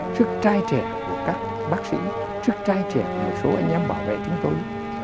sức trai trẻ của các bác sĩ sức trai trẻ của một số anh em bảo vệ chúng tôi